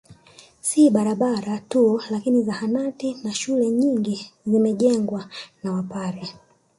Si barabara tu lakini zahanati na shule nyingi zimejengwa na wapare